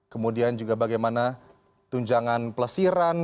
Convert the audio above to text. kemudian juga bagaimana tunjangan pelesiran